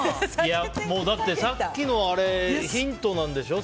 だってさっきのあれがヒントなんでしょう？